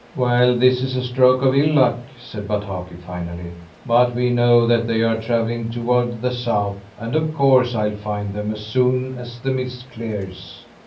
"Well, this is a stroke of ill luck!" said Bataki finally. "But we know that they are travelling toward the south, and of course I'll find them as soon as the mist clears."